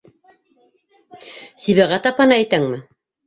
Сибәғәт апаны әйтәңме?